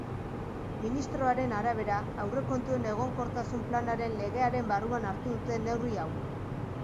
Ministroaren arabera, aurrekontuen egonkortasun planaren legearen barruan hartu dute neurri hau.